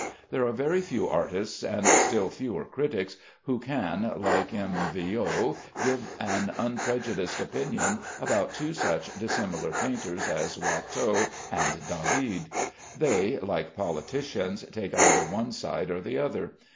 There are very few artists and still fewer critics who can (like M. Villot) give an unprejudiced opinion about two such dissimilar painters as Watteau and David. They (like politicians) take either one side or the other.